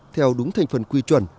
theo đúng thành phần quy chuẩn